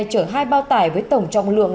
trở hai bao tải với tổng trọng lượng